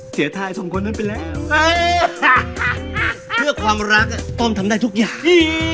ทายส่งคนนั้นไปแล้วเพื่อความรักต้อมทำได้ทุกอย่าง